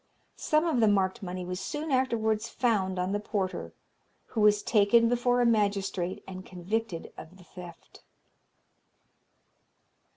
Some of the marked money was soon afterwards found on the porter, who was taken before a magistrate, and convicted of the theft.